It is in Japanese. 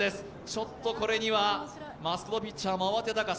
ちょっとこれにはマスク・ド・ピッチャーも慌てたか。